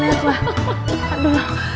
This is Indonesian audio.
aduh aduh aduh